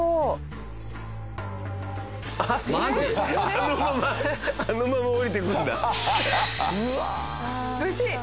あのままあのまま下りていくんだ。